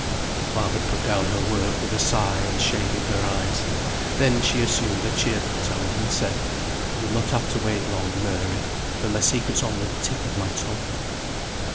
Margaret put down her work with a sigh, and shaded her eyes. Then she assumed a cheerful tone, and said, "You'll not have to wait long, Mary, for my secret's on the tip of my tongue.